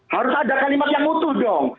harus ada kalimat yang utuh dong